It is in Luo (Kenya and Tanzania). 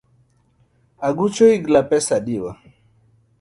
Aguch oyigla pesa adiwa.